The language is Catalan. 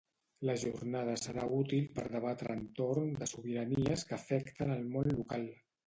La jornada serà útil per debatre entorn de sobiranies que afecten el món local